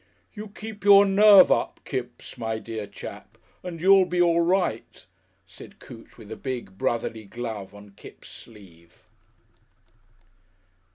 "You keep your nerve up, Kipps, my dear chap, and you'll be all right," said Coote, with a big, brotherly glove on Kipps' sleeve.